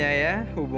awas aduh sih